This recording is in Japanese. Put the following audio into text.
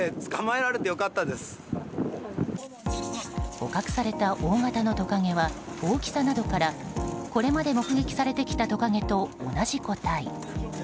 捕獲された大型のトカゲは大きさなどからこれまで目撃されてきたトカゲと同じ個体